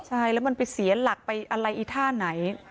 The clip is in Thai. ใช่แล้วมันไปเสียหลักไปอะไรอีท่าไหน